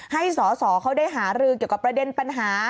ให้สอสอเขาได้หารือเกี่ยวกับประเด็นปัญหา